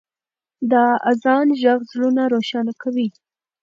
د اذان ږغ زړونه روښانه کوي.